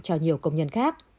cho nhiều công nhân khác